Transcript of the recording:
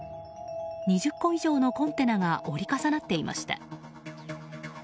２０個以上のコンテナが折り重なっていました。